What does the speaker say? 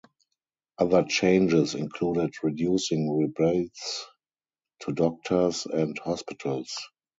Other changes included reducing rebates to doctors and hospitals.